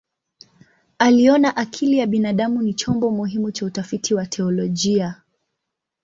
Aliona akili ya binadamu ni chombo muhimu cha utafiti wa teolojia.